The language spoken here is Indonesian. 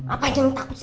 apa yang takut sih